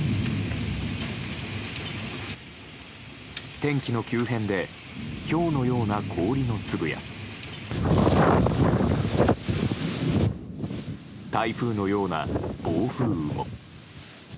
天気の急変でひょうのような氷の粒や台風のような暴風雨も。